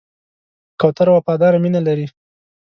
کوتره وفاداره مینه لري.